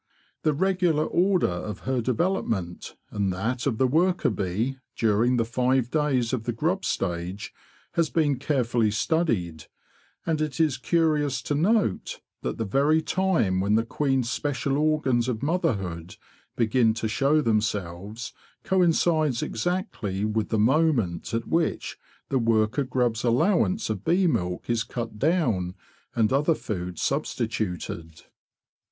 The regular order of her development, and of that of the worker bee, during the five days of the grub stage has been carefully studied, and it is curious to note that the very time when the queen's special organs of motherhood begin to show themselves coincides exactly with the moment at which the worker grub's allowance of bee milk is cut down and other food substituted.